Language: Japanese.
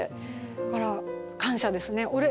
だから感謝ですね。